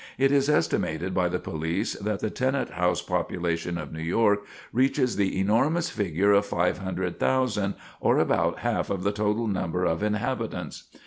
It is estimated by the police that the tenant house population of New York reaches the enormous figure of 500,000 or about half of the total number of inhabitants.